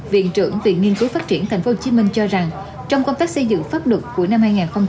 viện trưởng viện nghiên cứu phát triển tp hcm cho rằng trong công tác xây dựng pháp luật của năm hai nghìn hai mươi ba